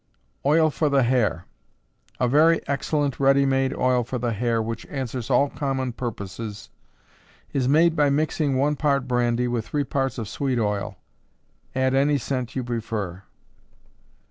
Oil for the Hair. A very excellent ready made oil for the hair which answers all common purposes, is made by mixing one part brandy with three parts of sweet oil. Add any scent you prefer.